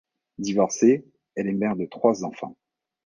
Divorcée, elle est mère de trois enfants.